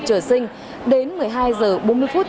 chở sinh đến một mươi hai giờ bốn mươi phút